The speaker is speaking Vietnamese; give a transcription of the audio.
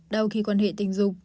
đau khi quan hệ tình dục